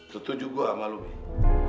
setuju gua sama lu mbae